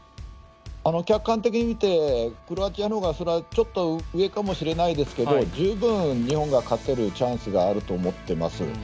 客観的に見てクロアチアの方がちょっと上かもしれませんが十分、日本が勝つチャンスはあると思っています。